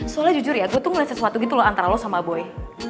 soalnya jujur ya gue tuh ngeliat sesuatu gitu loh antara lo sama boy